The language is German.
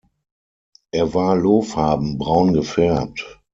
Er war lohfarben-braun gefärbt.